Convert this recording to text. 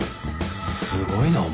すごいなお前。